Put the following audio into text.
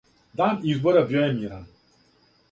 Дан избора био је миран.